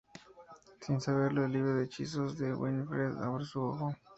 Sin saberlo, el libro de hechizos de Winifred abre su ojo.